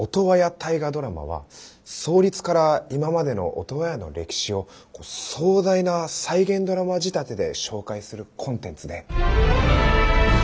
大河ドラマは創立から今までのオトワヤの歴史を壮大な再現ドラマ仕立てで紹介するコンテンツで。